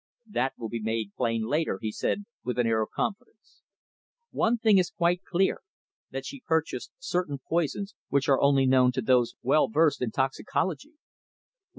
"That will be made plain later," he said with an air of confidence. "One thing is quite clear, that she purchased certain poisons which are only known to those well versed in toxicology.